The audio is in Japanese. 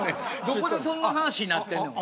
どこでそんな話になってんのや。